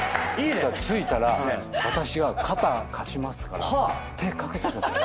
「着いたら私が肩貸しますから手掛けてください」